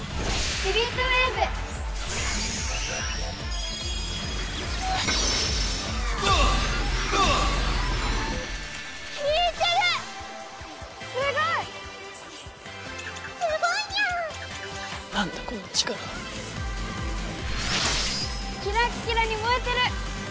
キラッキラに燃えてる！